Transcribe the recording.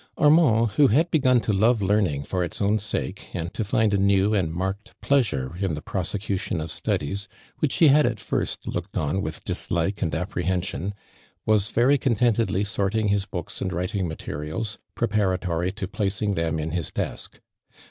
Aniiand, who had begun to love learning for its own sake, and to lind a new and markrd i)Uasine in the prosecu tion of studies which he had at first looked on with tlislike and apprehension, was very contentedly sorting his books and writing nriterials, preparatory to placing theni in his desk.